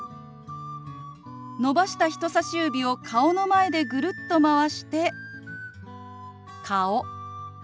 伸ばした人さし指を顔の前でぐるっとまわして「顔」。